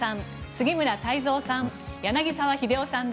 杉村太蔵さん